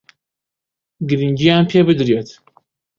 گرنگییان پێ بدرێت